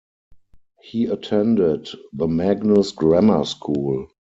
He attended the Magnus Grammar School.